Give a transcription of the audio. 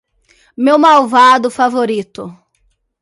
Meu malvado favorito